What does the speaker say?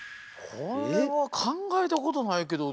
これは考えたことないけど。